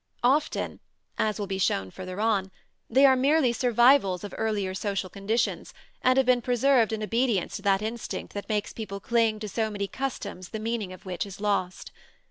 Often (as will be shown further on) they are merely survivals of earlier social conditions, and have been preserved in obedience to that instinct that makes people cling to so many customs the meaning of which is lost.